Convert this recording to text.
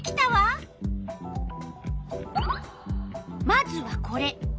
まずはこれ。